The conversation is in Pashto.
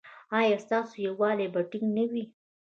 ایا ستاسو یووالي به ټینګ نه وي؟